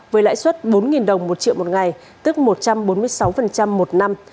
với lãi suất bốn đồng một triệu một ngày tức một trăm bốn mươi sáu một năm